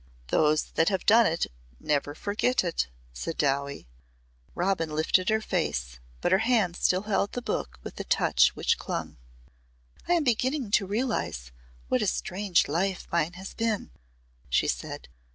"Those that have done it never forget it," said Dowie. Robin lifted her face, but her hands still held the book with the touch which clung. "I am beginning to realise what a strange life mine has been," she said.